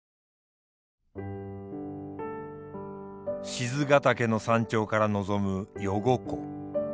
賤ヶ岳の山頂から望む余呉湖。